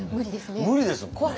無理ですね。